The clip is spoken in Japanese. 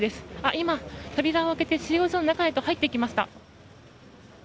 今、扉を開けて収容所の中へと入っていきました。